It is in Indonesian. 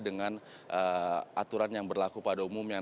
dengan aturan yang berlaku pada umumnya